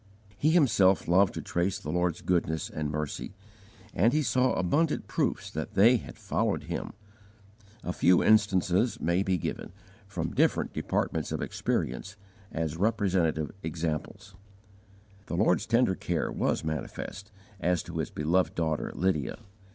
He himself loved to trace the Lord's goodness and mercy, and he saw abundant proofs that they had followed him. A few instances may be given, from different departments of experience, as representative examples. The Lord's tender care was manifest as to his beloved daughter Lydia.